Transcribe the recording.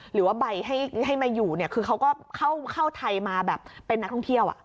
หรือว่าใบให้มาอยู่เนี่ยคือเขาก็เข้าไทยมาแบบเป็นนักท่องเที่ยว